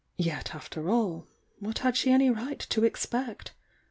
Yet, after all, what had she any right to expect?